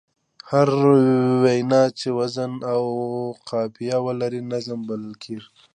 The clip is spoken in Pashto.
هره وينا چي وزن او قافیه ولري؛ نظم بلل کېږي.